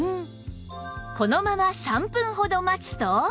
このまま３分ほど待つと